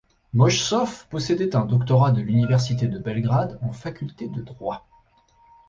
Mojsov possédait un doctorat de l'Université de Belgrade en faculté de droit.